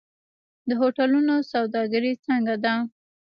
د هوټلونو سوداګري څنګه ده؟